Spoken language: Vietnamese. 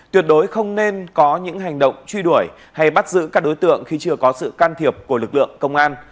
tuyệt đối không nên có những hành động truy đuổi hay bắt giữ các đối tượng khi chưa có sự can thiệp của lực lượng công an